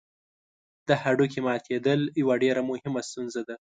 د هډوکي ماتېدل یوه ډېره مهمه ستونزه ده.